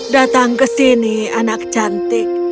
datang ke sini anak cantik